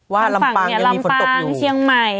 ทางฝั่งลำปางเชียงใหม่